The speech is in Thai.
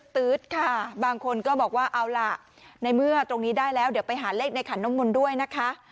ตื๊ดค่ะบางคนก็บอกว่าเอาล่ะในเมื่อตรงนี้ได้แล้วเดี๋ยวไปหาเลขในขันน้ำมนต์ด้วยนะคะ